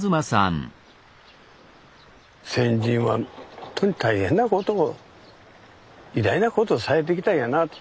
先人はほんとに大変なことを偉大なことをされてきたんやなあと。